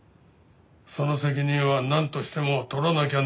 その責任はなんとしても取らなきゃならん。